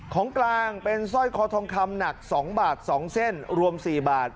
ของกลางเป็นสร้อยคอทองคำหนัก๒บาท๒เส้นรวม๔บาท